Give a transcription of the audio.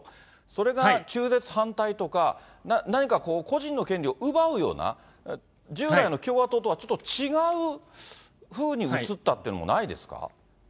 それが中絶反対とか、何か個人の権利を奪うような、従来の共和党とはちょっと違うふうにうつったというのもないです